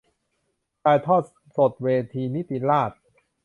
ถ่ายทอดสดเวทีนิติราษฎร์